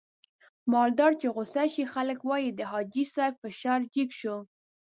مالدار چې غوسه شي خلک واي د حاجي صاحب فشار جګ شو.